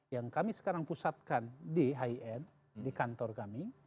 yang kami sekarang pusatkan di highn di kantor kami